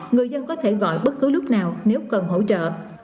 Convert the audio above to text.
người dân có thể gọi bất cứ lúc nào nếu cần hỗ trợ